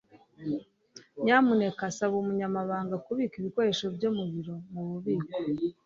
nyamuneka saba umunyamabanga kubika ibikoresho byo mu biro mu bubiko